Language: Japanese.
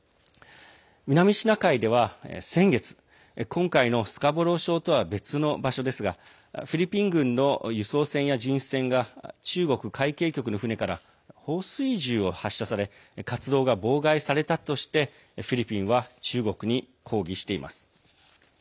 南シナ海では先月、今回のスカボロー礁とは別の場所ですがフィリピン軍の輸送船や巡視船が中国海警局の船から放水銃を発射され活動が妨害されたとしてフィリピンは中国に抗議しています。